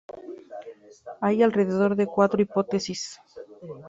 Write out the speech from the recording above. Hay alrededor de cuatro hipótesis.